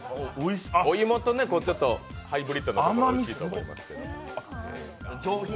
お芋とちょっとハイブリッドな感じがおいしいと思いますけど。